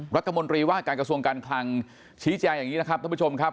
รัฐมนตรีว่าการกระทรวงการคลังชี้แจงอย่างนี้นะครับท่านผู้ชมครับ